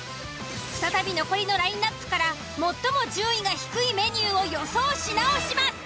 再び残りのラインアップから最も順位が低いメニューを予想し直します。